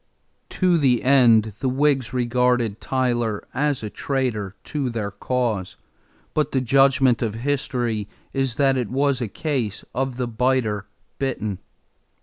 To the end, the Whigs regarded Tyler as a traitor to their cause; but the judgment of history is that it was a case of the biter bitten.